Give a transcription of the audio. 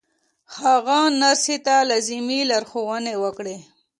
هغه نرسې ته لازمې لارښوونې وکړې